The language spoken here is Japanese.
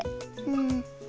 うん。